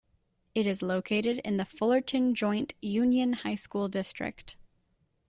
It is located in the Fullerton Joint Union High School District.